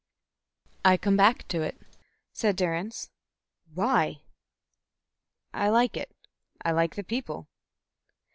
"I come back to it," said Durrance. "Why?" "I like it. I like the people."